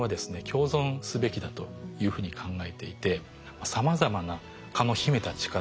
共存すべきだというふうに考えていてさまざまな蚊の秘めた力。